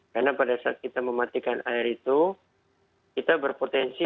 karena pada saat kita mematikan air itu kita berpotensi